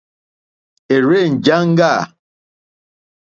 È rzênjāŋɡâ.